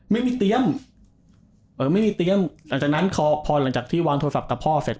ไม่มีเตรียมไม่มีเตรียมหลังจากนั้นพอพอหลังจากที่วางโทรศัพท์กับพ่อเสร็จ